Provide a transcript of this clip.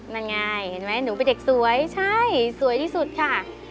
นั่นไงเห็นไหมหนูเป็นเด็กสวยใช่สวยที่สุดค่ะ